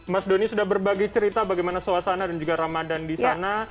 mas doni sudah berbagi cerita bagaimana suasana dan juga ramadan di sana